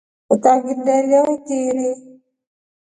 Utangindelye utiiri.